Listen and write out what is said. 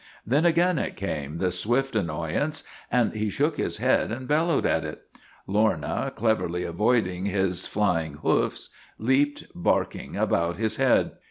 Then again it came, the swift annoyance, and he shook his head and bellowed at it. Lorna, cleverly avoiding his flying hoofs, leaped, barking, about his head.